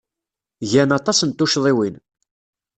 Gan aṭas n tuccḍiwin.